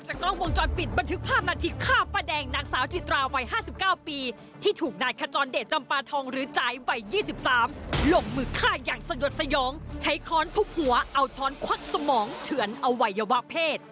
ช้อนทุกหัวเอาช้อนควักสมองเฉือนอวัยวะเพศ